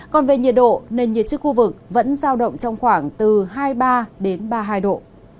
còn về nhiệt độ nền nhiệt trên khu vực vẫn giao động trong khoảng từ hai mươi ba ba mươi hai độ